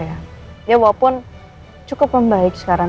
ya walaupun cukup membaik sekarang